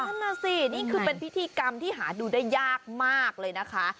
นั่นน่ะสินี่คือเป็นพิธีกรรมที่หาดูได้ยากมากเลยนะคะ